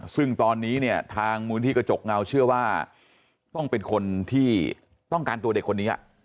ซึ่งตอนนี้เนี่ยทางมูลที่กระจกเงาเชื่อว่าต้องเป็นคนที่ต้องการตัวเด็กคนนี้